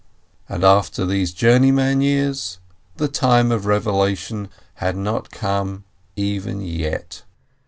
And after these journeyman years, the time of revelation had not come even yet.